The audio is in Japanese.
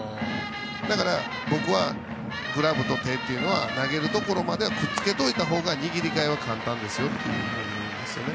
だから僕は、グラブと手は投げるところまではくっつけておいたほうが握りがよくなるよと言うんですよね。